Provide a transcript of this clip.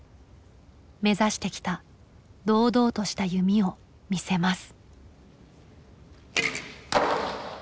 目指してきた「堂々とした弓」を見せます。